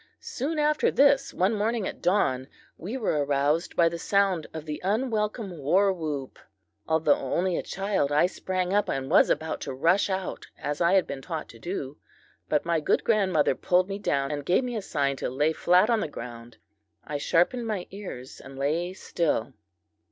Soon after this, one morning at dawn, we were aroused by the sound of the unwelcome warwhoop. Although only a child, I sprang up and was about to rush out, as I had been taught to do; but my good grandmother pulled me down, and gave me a sign to lay flat on the ground. I sharpened my ears and lay still.